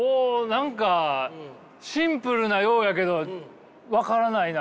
何かシンプルなようやけど分からないな。